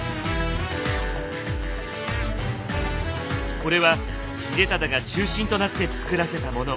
これは秀忠が中心となって造らせたもの。